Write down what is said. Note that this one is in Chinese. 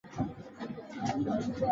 弗朗库尔卡泰隆。